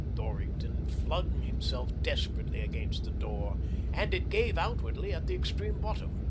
Dorrington flung himself desperately against the door, and it gave outwardly at the extreme bottom.